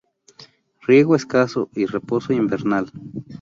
Riego escaso y reposo invernal.